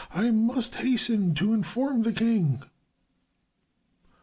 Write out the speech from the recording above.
"I must hasten to inform the king."